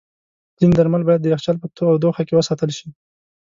ځینې درمل باید د یخچال په تودوخه کې وساتل شي.